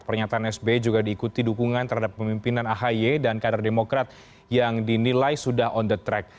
pernyataan sbi juga diikuti dukungan terhadap pemimpinan ahi dan kader demokrat yang dinilai sudah on the track